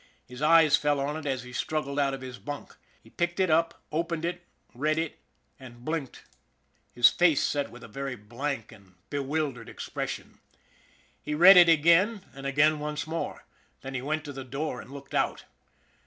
His eyes fell on it as he struggled out of his bunk. He picked it up, opened it, read it and blinked. His 122 ON THE IRON AT BIG CLOUD face set with a very blank and bewildered expression. He read it again, and again once more. Then he went to the door and looked out.